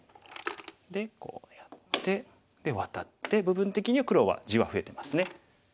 こうやってでワタって部分的には黒は地は増えてますね。